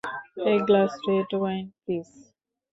এক glass red wine, please?